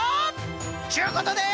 ちゅうことで。